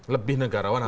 lebih negarawan harusnya